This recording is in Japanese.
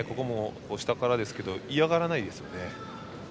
下からですけど嫌がらないですよね。